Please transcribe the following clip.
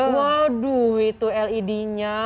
waduh itu led nya